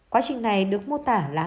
quá trình này được mô tả là